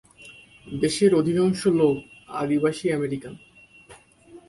দেশের অধিকাংশ লোক আদিবাসী আমেরিকান।